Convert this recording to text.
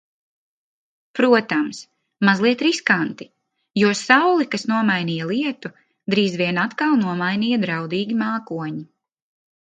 Protams, mazliet riskanti, jo sauli, kas nomainīja lietu, drīz vien atkal nomainīja draudīgi mākoņi.